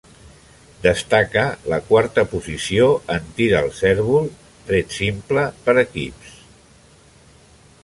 Destaca la quarta posició en tir al cérvol, tret simple, per equips.